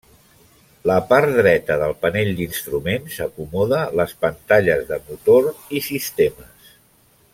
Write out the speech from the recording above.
La part dreta del panell d'instruments acomoda les pantalles de motor i sistemes.